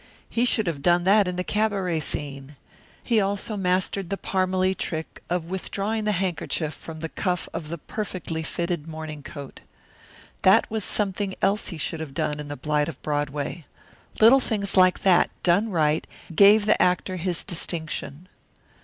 He should have done that in the cabaret scene. He also mastered the Parmalee trick of withdrawing the handkerchief from the cuff of the perfectly fitting morning coat. That was something else he should have done in The Blight of Broadway. Little things like that, done right, gave the actor his distinction.